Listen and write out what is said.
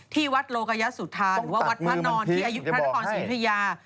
ที่วัดโลกยสุธาหรือว่าวัดพระนอนที่อายุพระนครศรียุธยา